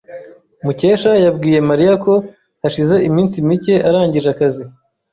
Mukesha yabwiye Mariya ko hashize iminsi mike arangije akazi.